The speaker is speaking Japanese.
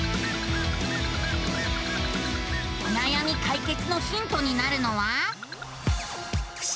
おなやみ解決のヒントになるのは。